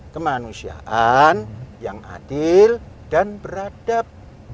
kemanusiaan yang adil dan beradab